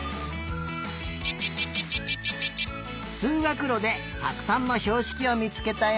つうがくろでたくさんのひょうしきをみつけたよ。